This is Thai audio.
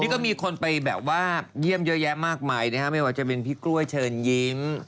ก็มีคนไปแบบว่าเยี่ยมเยอะแยะมากมายนะฮะไม่ว่าจะเป็นพี่กล้วยเชิญยิ้ม